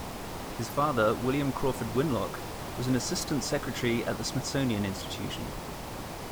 His father, William Crawford Winlock, was an assistant secretary at the Smithsonian Institution.